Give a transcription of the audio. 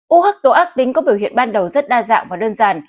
u hắc tố ác tính có biểu hiện ban đầu rất đa dạng và đơn giản